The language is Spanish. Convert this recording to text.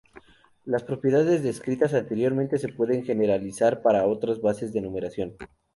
Las propiedades descritas anteriormente se pueden generalizar para otras bases de numeración.